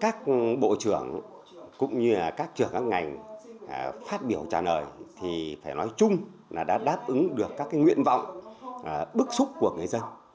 các bộ trưởng cũng như là các trưởng các ngành phát biểu trả lời thì phải nói chung là đã đáp ứng được các nguyện vọng bức xúc của người dân